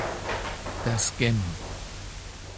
Das Gem